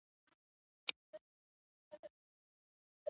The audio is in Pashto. ښایست د معصومیت رنگ لري